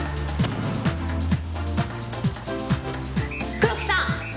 黒木さん！